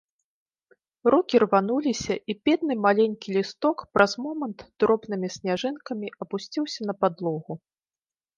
Рукі рвануліся, і бедны маленькі лісток праз момант дробнымі сняжынкамі апусціўся на падлогу.